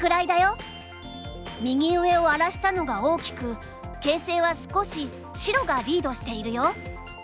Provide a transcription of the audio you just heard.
右上を荒らしたのが大きく形勢は少し白がリードしているよ。